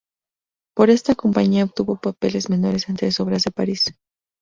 Por esta compañía obtuvo papeles menores en tres obras de París.